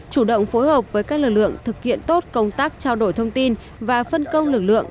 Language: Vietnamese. chủ động phối hợp với các lực lượng thực hiện tốt công tác trao đổi thông tin và phân công lực lượng